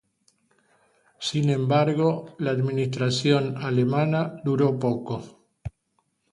Sin embargo, la administración alemana duró poco.